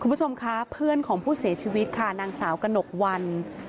คุณผู้ชมคะเพื่อนของผู้เสียชีวิตค่ะนางสาวกระหนกวัน